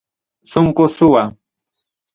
Sonqo suwa.